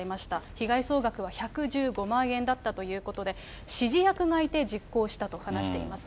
被害総額は１１５万円だったということで、指示役がいて実行したと話しています。